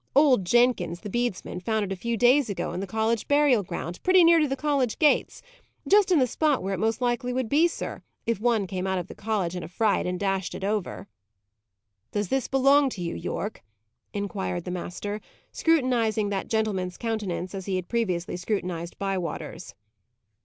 Old Jenkins, the bedesman, found it a few days ago in the college burial ground, pretty near to the college gates; just in the spot where it most likely would be, sir, if one came out of the college in a fright and dashed it over." "Does this belong to you, Yorke?" inquired the master, scrutinizing that gentleman's countenance, as he had previously scrutinized Bywater's.